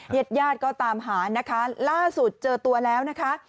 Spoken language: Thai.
ญาติญาติก็ตามหานะคะล่าสุดเจอตัวแล้วนะคะ